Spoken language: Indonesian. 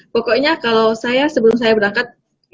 pokoknya kalau saya sebelum saya berangkat